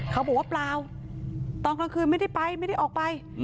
เขาบอกว่าเปล่าตอนกลางคืนไม่ได้ไปไม่ได้ออกไป